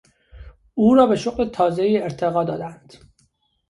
او را به شغل تازهای ارتقا دادند.